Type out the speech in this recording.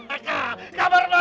ah kabar baik bos